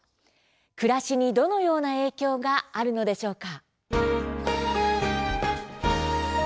暮らしに、どのような影響があるのでしょうか。